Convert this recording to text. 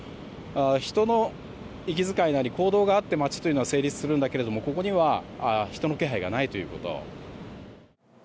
人の息遣いなり行動があって街というものは成立するんだけれどもここには人の気配がないということ。